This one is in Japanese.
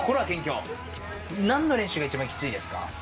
何の練習が一番きついですか？